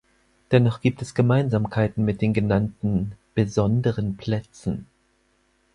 Dennoch gibt es Gemeinsamkeiten mit den genannten „besonderen Plätzen“.